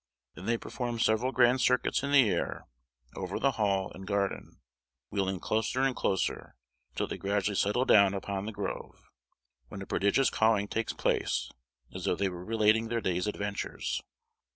Then they perform several grand circuits in the air, over the Hall and garden, wheeling closer and closer, until they gradually settle down upon the grove, when a prodigious cawing takes place, as though they were relating their day's adventures.